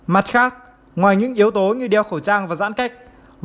mặt khác ngoài những yếu tố như đeo khẩu trang và giãn cách